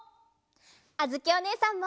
あづきおねえさんも！